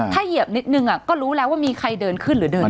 ถ้าเหยียบนิดนึงก็รู้แล้วว่ามีใครเดินขึ้นหรือเดิน